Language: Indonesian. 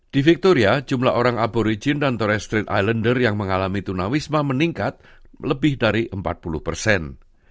di victoria jumlah orang aborigin dan torres strait islander yang mengalami tunawisma meningkat lebih dari empat puluh persen